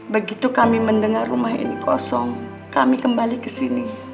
begitu kami mendengar rumah ini kosong kami kembali ke sini